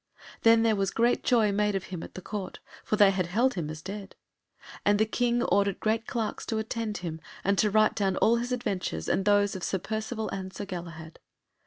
Then was there great joy made of him in the Court, for they had held him as dead; and the King ordered great clerks to attend him, and to write down all his adventures and those of Sir Percivale and Sir Galahad.